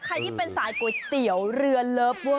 ใครที่เป็นสายก๋วยเตี๋ยวเรือเลิฟพวก